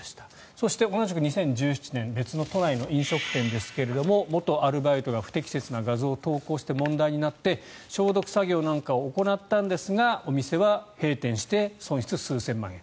そして同じく２０１７年別の都内の飲食店ですが元アルバイトが不適切な画像を投稿して問題になって消毒作業なんかを行ったんですがお店は閉店して損失、数千万円。